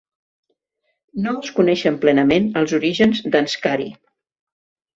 No es coneixen plenament els orígens d'Anscari.